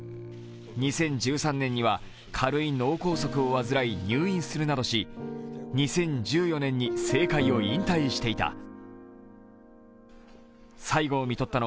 ２０１３年には軽い脳梗塞を患い、入院するなどし、２０１４年に政界を引退していた。